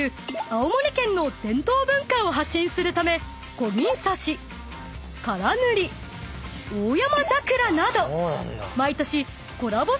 青森県の伝統文化を発信するためこぎんさし唐塗大山桜など毎年コラボ